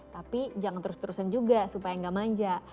tapi jangan terus terusan juga supaya nggak manja